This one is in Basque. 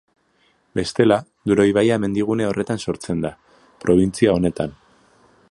Bestela, Duero ibaia mendigune horretan sortzen da, probintzia honetan.